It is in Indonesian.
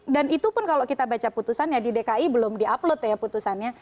dan itu pun kalau kita baca putusannya di dki belum di upload ya putusannya